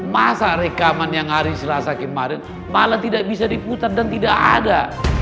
masa rekaman yang hari selasa kemarin malah tidak bisa diputar dan tidak ada